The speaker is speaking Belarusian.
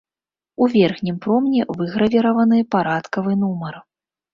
У верхнім промні выгравіраваны парадкавы нумар.